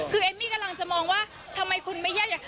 คือเอมมี่กำลังจะมองว่าทำไมคุณไม่แย่อยาก